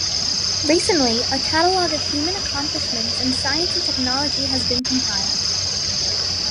Recently a catalogue of human accomplishments in science and technology has been compiled.